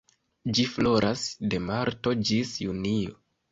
Ĝi floras de marto ĝis junio.